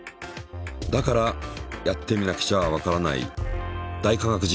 だからやってみなくちゃわからない「大科学実験」で。